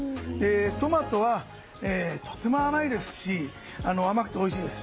トマトはとても甘くておいしいです。